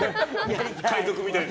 海賊みたいな。